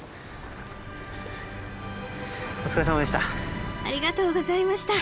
お疲れさまでした。